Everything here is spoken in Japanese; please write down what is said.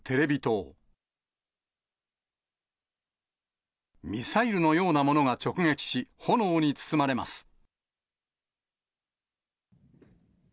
ミサイルのようなものが直撃し、炎に包まれます。